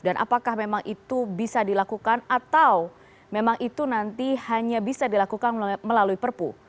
dan apakah memang itu bisa dilakukan atau memang itu nanti hanya bisa dilakukan melalui perpu